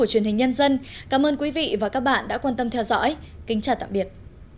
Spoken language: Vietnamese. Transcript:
hẹn gặp lại các bạn trong những video tiếp theo